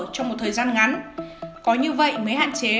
trong một thời gian ngắn có như vậy mới hạn chế